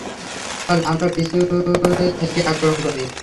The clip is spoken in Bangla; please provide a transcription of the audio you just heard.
চল, আমরা পিছে থেকে আক্রমণ করি!